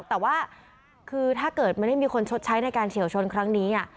แต่ว่าคือถ้าเกิดมันได้มีคนชดใช้ในการเฉียวชนครั้งนี้